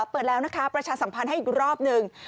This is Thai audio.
เปิดแล้วนะคะประชาสัมพันธ์ให้อีกรอบหนึ่ง